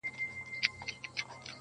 پرېښودلای خو يې نسم~